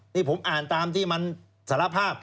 นี่ผมอ่านตามที่มันสารภาพ